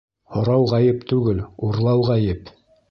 Һорау ғәйеп түгел, урлау ғәйеп.